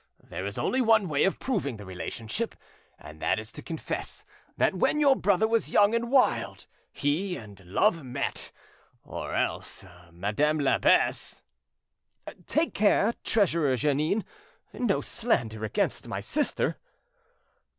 There is only one way of proving the relationship, and that is to confess that when your brother was young and wild he and Love met, or else Madame l'Abbesse——." "Take care, Treasurer Jeannin! no slander against my sister!"